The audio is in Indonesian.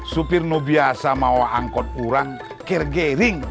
supir nobiasa mau angkot orang kira gering